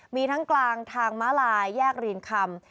มีทั้งกลางทางม้าลายแยกเรียนคำ